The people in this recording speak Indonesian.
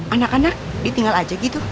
anak anak ditinggal aja gitu